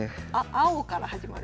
青から始まる。